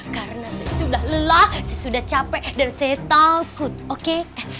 karena saya sudah lelah saya sudah capek dan saya takut oke